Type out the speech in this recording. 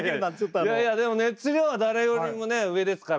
いやいやでも熱量は誰よりもね上ですから。